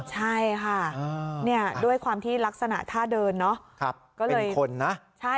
ใช่ค่ะด้วยความที่ลักษณะท่าเดินเนอะ